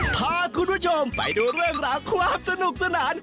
พาคุณผู้ชมไปดูเรื่องราวความสนุกสนาน